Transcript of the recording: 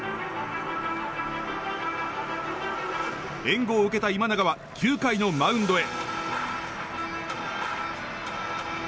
援護を受けた今永は９回のマウンドへ。